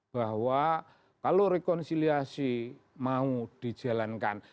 bahwa kalau rekonsiliasi mau dijalankan